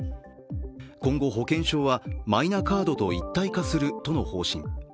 今後、保険証はマイナカードと一体化するとの方針。